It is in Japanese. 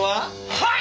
はい！